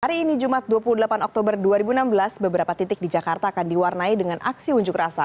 hari ini jumat dua puluh delapan oktober dua ribu enam belas beberapa titik di jakarta akan diwarnai dengan aksi unjuk rasa